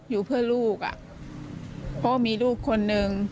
อยู่เพื่อลูกอ่ะเพราะว่ามีลูกคนนึง